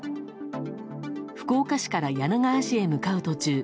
福岡市から柳川市へ向かう途中